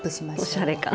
おしゃれ感！